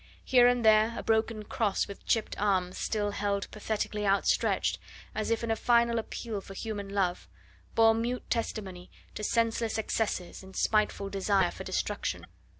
Here and there a broken cross with chipped arms still held pathetically outstretched, as if in a final appeal for human love, bore mute testimony to senseless excesses and spiteful desire for destruction.